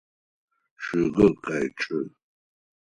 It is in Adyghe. Чъыгыр къэкӏы.